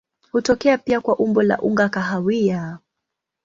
Hutokea pia kwa umbo la unga kahawia.